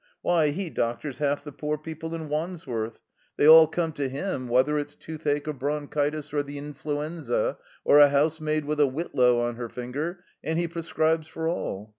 Why, He doc tors half the poor people in Wandsworth. They all come to Him, whether it's toothache or brondiitis or the influenza, or a housemaid with a whitlow on her finger, and He prescribes for all.